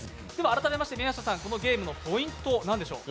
改めまして宮下さん、このゲームのポイントは何でしょう？